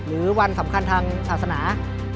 หรือวันสำคัญทางศาสนา